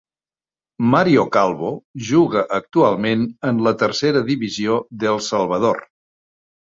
Mario Calvo juga actualment en la tercera divisió d'El Salvador.